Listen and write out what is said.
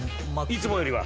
いつもよりは？